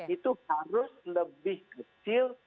itu harus lebih kecil